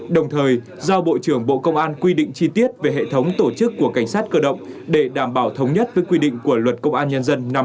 đồng thời giao bộ trưởng bộ công an quy định chi tiết về hệ thống tổ chức của cảnh sát cơ động để đảm bảo thống nhất với quy định của luật công an nhân dân năm hai nghìn hai mươi ba